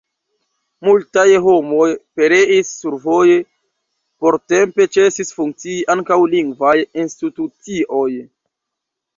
Multaj homoj pereis survoje, portempe ĉesis funkcii ankaŭ lingvaj institucioj.